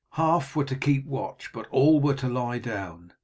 Half were to keep watch, but all were to lie down.